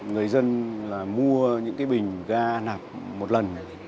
người dân là mua những cái bình ga nạp một lần